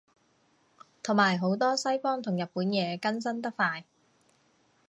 同埋好多西方同日本嘢更新得快